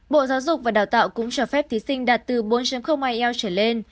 bộ giáo dục và đào tạo cũng cho phép thí sinh đạt từ bốn ielts trở lên